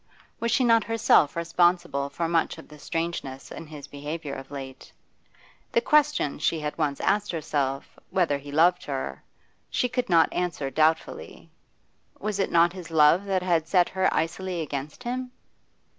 Was she not herself responsible for much of the strangeness in his behaviour of late? The question she had once asked herself, whether he loved her, she could not answer doubtfully; was it not his love that had set her icily against him?